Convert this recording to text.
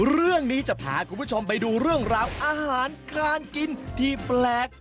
เรื่องนี้จะพาคุณผู้ชมไปดูเรื่องราวอาหารการกินที่แปลก